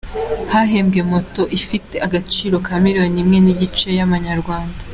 Yahembwe moto ifite agaciro ka Miliyoni imwe n'igice y'amanyarwanda.